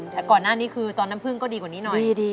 แต่ก่อนหน้านี้คือตอนน้ำพึ่งก็ดีกว่านี้หน่อย